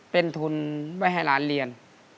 เป็นทุนไว้ให้หลานเรียน